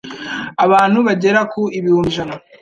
abantu bagera ku ibihumbi ijana